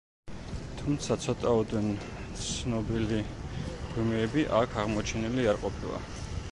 თუმცა ცოტაოდენ ცნობილი მღვიმეები აქ აღმოჩენილი არ ყოფილა.